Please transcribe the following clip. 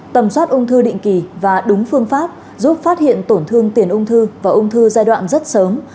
tầm soát ung thư định kỳ và đúng phương pháp giúp phát hiện tổn thương tiền ung thư và ung thư giai đoạn rất sớm